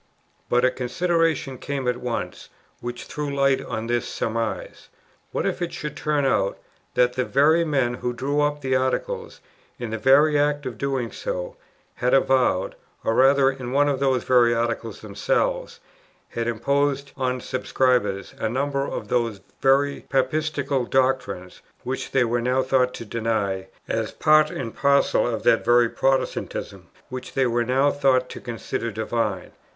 But a consideration came up at once, which threw light on this surmise: what if it should turn out that the very men who drew up the Articles, in the very act of doing so, had avowed, or rather in one of those very Articles themselves had imposed on subscribers, a number of those very "Papistical" doctrines, which they were now thought to deny, as part and parcel of that very Protestantism, which they were now thought to consider divine?